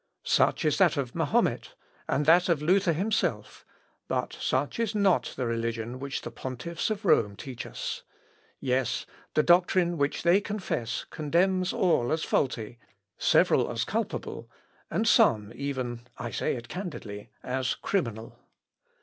Such is that of Mahomet, and that of Luther himself; but such is not the religion which the pontiffs of Rome teach us. Yes, the doctrine which they confess condemns all as faulty, several as culpable, and some even (I say it candidly) as criminal.